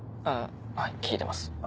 あはい聞いてます。